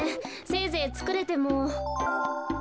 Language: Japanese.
せいぜいつくれても。